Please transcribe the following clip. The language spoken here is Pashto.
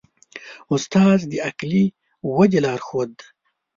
استاد د عقلي ودې لارښود دی.